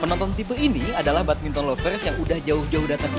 penonton tipe ini adalah badminton lovers yang udah jatuh kembali ke indonesia open ini